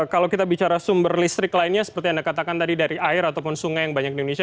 kalau kita bicara sumber listrik lainnya seperti anda katakan tadi dari air ataupun sungai yang banyak di indonesia